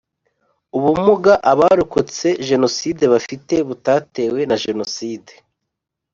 ubumuga abarokotse jenoside bafite butatewe na jenoside